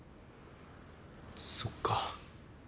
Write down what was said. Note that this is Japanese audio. そっか。